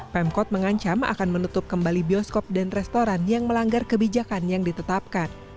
pemkot mengancam akan menutup kembali bioskop dan restoran yang melanggar kebijakan yang ditetapkan